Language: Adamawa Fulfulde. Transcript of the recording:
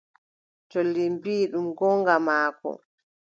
Colli mbii: ɗum goonga maako.